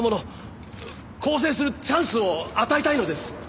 更生するチャンスを与えたいのです。